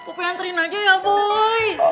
popi anterin aja ya boy